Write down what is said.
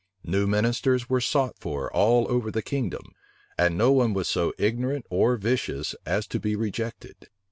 New ministers were sought for all over the kingdom; and no one was so ignorant or vicious as to be rejected.